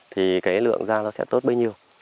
thì cái lượng ra nó sẽ tốt bấy nhiêu